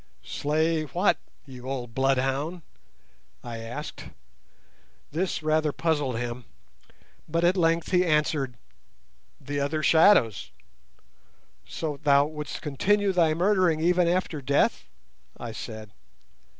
"Slay what, you old bloodhound?" I asked. This rather puzzled him, but at length he answered— "The other shadows." "So thou wouldst continue thy murdering even after death?" I said.